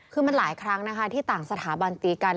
คือมันหลายครั้งนะคะที่ต่างสถาบันตีกัน